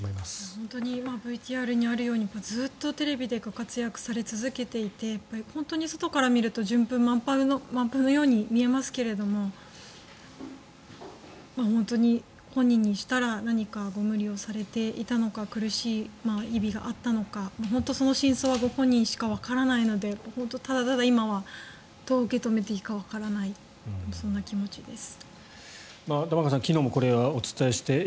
本当にＶＴＲにあるようにずっとテレビでご活躍され続けていて本当に外から見ると順風満帆なように見えますけれど本当に本人にしたら何かご無理をされていたのか苦しい日々があったのかその真相はご本人にしかわからないので本当にただただ今はどう受け止めていいかわからないそんな気持ちです。